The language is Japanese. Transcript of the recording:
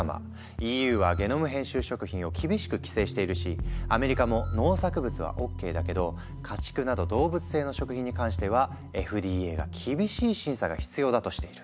ＥＵはゲノム編集食品を厳しく規制しているしアメリカも農作物はＯＫだけど家畜など動物性の食品に関してはＦＤＡが厳しい審査が必要だとしている。